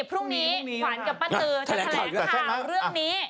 พรุ่งนี้ขวัญกับป้าตือจะแถลงข่าวเรื่องนี้